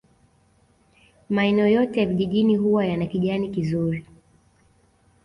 Maeneo yote ya vijijini huwa yana kijani kizuri